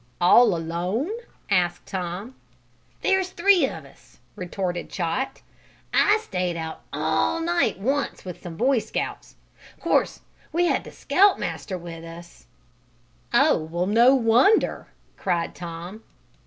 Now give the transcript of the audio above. "All alone?" asked Tom. "There's three of us," retorted Chot. "I stayed out all night once with some Boy Scouts. Course we had the Scout Master with us " "Oh, well, no wonder!" cried Tom.